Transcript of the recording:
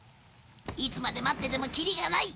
いつまで待っててもキリがない。